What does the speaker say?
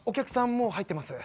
もう入ってます